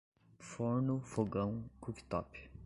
Forno, fogão, cooktop